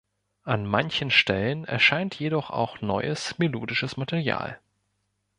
An manchen Stellen erscheint jedoch auch neues melodisches Material.